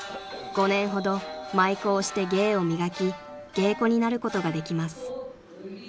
［５年ほど舞妓をして芸を磨き芸妓になることができます］